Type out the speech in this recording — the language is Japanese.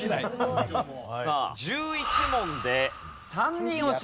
さあ１１問で３人落ちます。